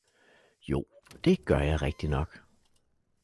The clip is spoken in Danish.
Jo det gør jeg rigtignok